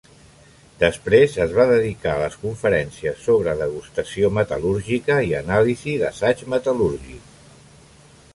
Després es va dedicar a les conferències sobre degustació metal·lúrgica i anàlisi d'assaig metal·lúrgic.